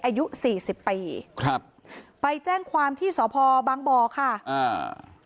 อายุสี่สิบปีครับไปแจ้งความที่สพบางบ่อค่ะอ่า